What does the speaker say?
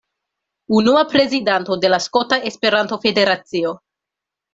Unua prezidanto de la Skota Esperanto-Federacio.